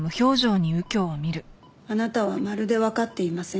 あなたはまるでわかっていません。